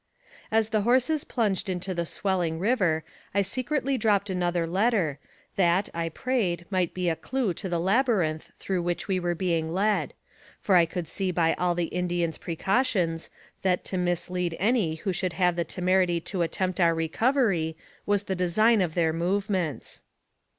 As the horses plunged into the swelling river I secretly dropped another letter, that, I prayed, might be a clue to the labyrinth through which we were being led ; for I could see by all the Indians' precau tions, that to mislead any who should have the temerity to attempt our recovery, was the design of their move ments.